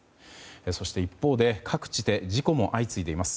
そして一方で各地で事故も相次いでいます。